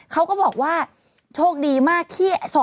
เขาก็บอกว่าโชคดีมากที่